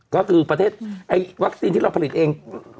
ก็คือประเทศไอ้วัคซีนที่เราผลิตเอง